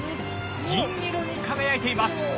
銀色に輝いています。